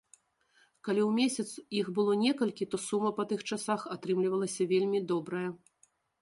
Калі ў месяц іх было некалькі, то сума па тых часах атрымлівалася вельмі добрая.